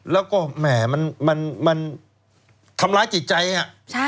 แล้วก็แหม่มันมันมันทำร้ายจิตใจอ่ะ